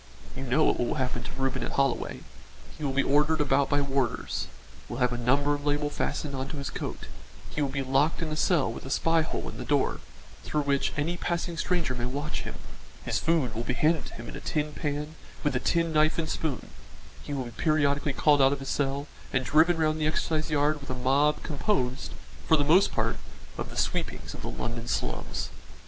You know what will happen to Reuben at Holloway. He will be ordered about by warders, will have a number label fastened on to his coat, he will be locked in a cell with a spy hole in the door, through which any passing stranger may watch him; his food will be handed to him in a tin pan with a tin knife and spoon; and he will be periodically called out of his cell and driven round the exercise yard with a mob composed, for the most part, of the sweepings of the London slums.